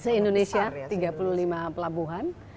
se indonesia tiga puluh lima pelabuhan